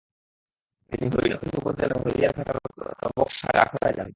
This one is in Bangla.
তিনি হরিণাকুন্ডু উপজেলার হরিয়ারঘাটার খোদাবকশ শাহের আখড়ায় যান।